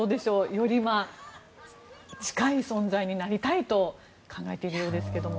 より近い存在になりたいと考えているようですけども。